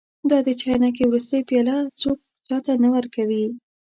دا د چاینکې وروستۍ پیاله څوک چا ته نه ورکوي.